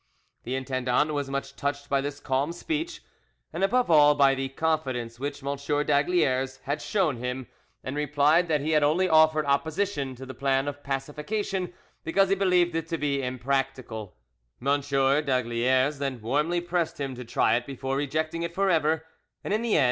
The intendant was much touched by this calm speech, and above all by the confidence which M. d'Aygaliers had shown him, and replied that he had only offered opposition to the plan of pacification because he believed it to be impracticable. M. d'Aygaliers then warmly pressed him to try it before rejecting it for ever, and in the end M.